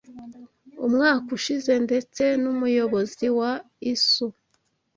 umwaka ushize, ndetse n’umuyobozi wa ISO